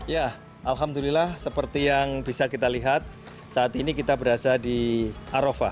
ya alhamdulillah seperti yang bisa kita lihat saat ini kita berada di arafah